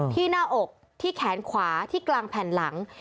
หน้าอกที่แขนขวาที่กลางแผ่นหลัง